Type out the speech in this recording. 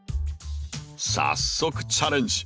早速チャレンジ！